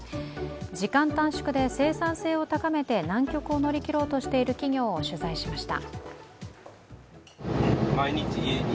時間短縮で生産性を高めて難局を乗り切ろうとしている企業を取材しました。